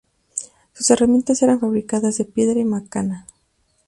Sus herramientas eran fabricadas de piedra y macana.